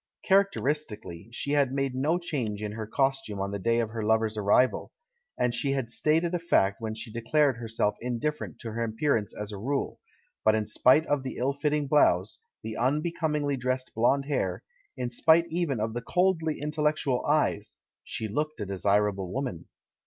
Character istically, she had made no change in her costume on the day of her lover's arrival — and she had stated a fact when she declared herself indif ferent to her appearance as a rule; but in spite of the ill fitting blouse, the unbecomingly dressed blonde hair, in spite even of the coldly intellectual eyes, she looked a desirable woman.